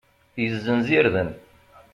Yezzenz irden.